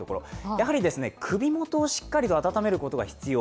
やはり首元をしっかりと温めることが必要。